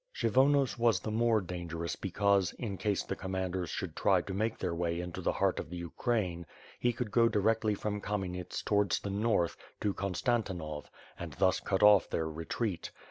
Kshyvonos was the more dangerous because, in case the commanders should try to make their way into the heart of the Ukraine, he could go directly from Kamenets towards the north, to Konstantinov, and thus cut off their retreat.